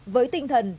với tinh thần